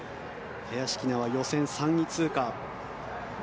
林希菜は予選３位通過。